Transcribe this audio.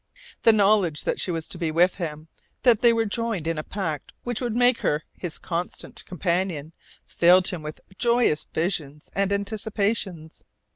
The knowledge that she was to be with him, that they were joined in a pact which would make her his constant companion, filled him with joyous visions and anticipations.